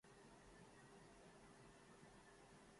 أپنے نام بتاؤ۔